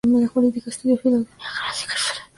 Estudió filología clásica, filosofía y derecho.